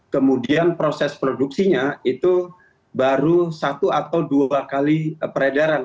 kemudian proses produksinya itu baru satu atau dua kali peredaran